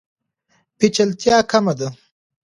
پیچلتیا کمه ده.